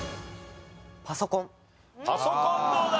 パソコンどうだ？